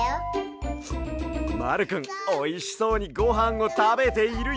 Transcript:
まるくんおいしそうにごはんをたべているＹＯ！